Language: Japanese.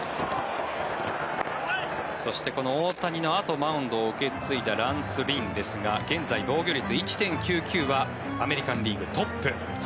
そしてこの大谷のあとマウンドを受け継いだランス・リンですが現在、防御率１．９９はアメリカン・リーグトップ。